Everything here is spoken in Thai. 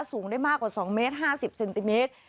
สูงได้มากกว่า๒เมตร๕๐เซนติเมตร